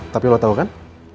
tapi lo tau kan